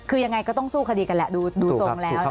คือยังไงก็ต้องสู้คดีกันแหละ